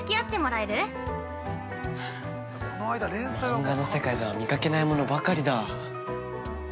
漫画の世界では見かけないものばかりだ。